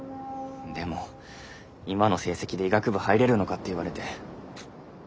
でも今の成績で医学部入れるのかって言われて。